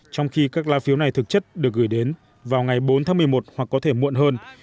trong khi các lá phiếu này thực chất được gửi đến vào ngày bốn tháng một mươi một hoặc có thể muộn hơn